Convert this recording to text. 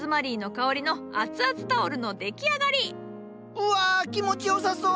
うわ気持ち良さそう！